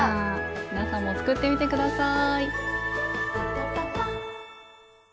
皆さんも作ってみて下さい。